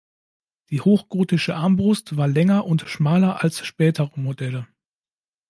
Die hochgotische Armbrust war länger und schmaler als spätere Modelle.